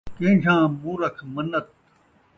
کینجھاں مورکھ مَنت